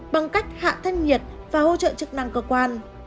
bằng cách hạ thân nhiệt và hỗ trợ chức năng cơ quan